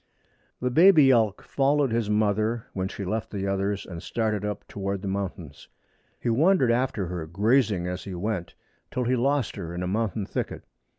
The baby elk followed his mother, when she left the others, and started up toward the mountains. He wandered after her, grazing as he went, till he lost her in a mountain thicket.